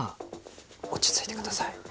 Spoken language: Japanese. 落ち着いてください。